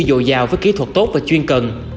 dội dào với kỹ thuật tốt và chuyên cần